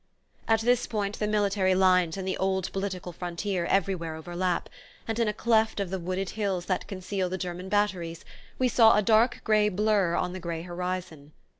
At this point the military lines and the old political frontier everywhere overlap, and in a cleft of the wooded hills that conceal the German batteries we saw a dark grey blur on the grey horizon.